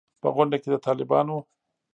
په غونډه کې د طالبانو